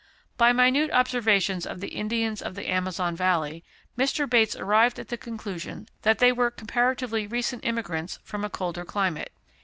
By minute observations of the Indians of the Amazon Valley, Mr. Bates arrived at the conclusion that they were comparatively recent immigrants from a colder climate.